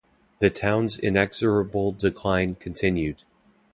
The town's inexorable decline continued.